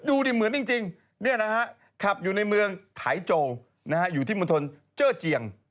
ดูดิเหมือนจริงขับอยู่ในเมืองไถโจอยู่ที่มณฑลเจอร์เจียง